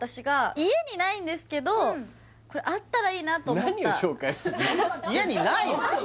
家にないんですけどあったらいいなって何？